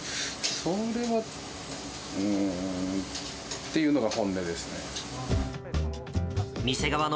それは、うーんっていうのが本音ですね。